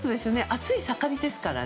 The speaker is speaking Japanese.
暑い盛りですから。